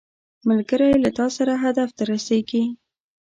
ملګری له تا سره هدف ته رسیږي